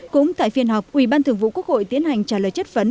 cũng tại phiên họp ủy ban thường vụ quốc hội tiến hành trả lời chất vấn